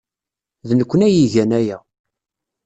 D nekkni ay igan aya.